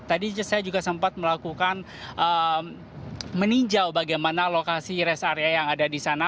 tadi saya juga sempat melakukan meninjau bagaimana lokasi rest area yang ada di sana